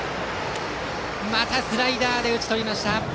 またスライダーで打ち取りました。